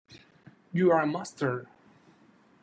You are a Master!